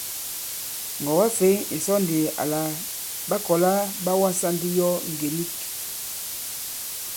Ŋgɔ̀wɛ-fěy ì sɔ ndi àlà ɓa kɔ̀la là ɓa wasā ndi yo ngè nik.